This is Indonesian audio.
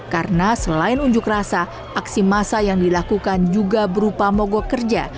karena selain unjuk rasa aksi masa yang dilakukan juga berupa mogok kerja